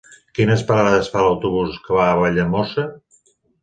Quines parades fa l'autobús que va a Valldemossa?